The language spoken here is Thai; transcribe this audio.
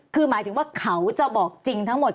คือหมายถึงว่าเขาจะบอกจริงทั้งหมด